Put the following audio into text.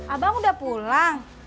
abang udah pulang